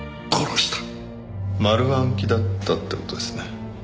丸暗記だったって事ですね。